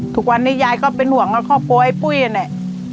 ทุกวันนี้ยายก็เป็นห่วงกับครอบครัวไอ้ปุ้ยเนี่ย